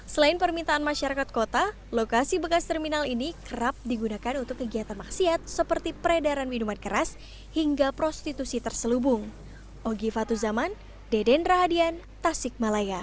selain permintaan masyarakat kota lokasi bekas terminal ini kerap digunakan untuk kegiatan maksiat seperti peredaran minuman keras hingga prostitusi terselubung